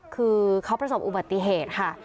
คือเขาประสบอุบัติเหตุค่ะ